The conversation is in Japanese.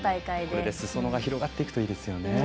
すそ野が広がっていくといいですよね。